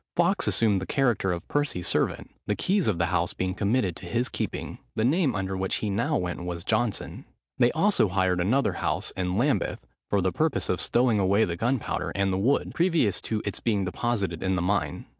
Fawkes assumed the character of Percy's servant, the keys of the house being committed to his keeping. The name under which he now went was Johnson. They also hired another house, in Lambeth, for the purpose of stowing away the gunpowder and the wood, previous to its being deposited in the mine.